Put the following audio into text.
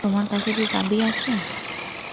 তোমার কাছে কি চাবি আছে?